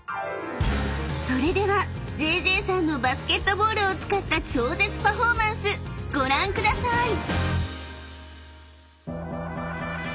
［それではＪＪさんのバスケットボールを使った超絶パフォーマンスご覧ください！］